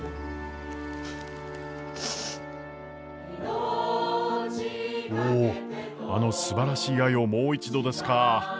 おお「あの素晴しい愛をもう一度」ですか。